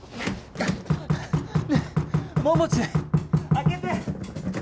開けて！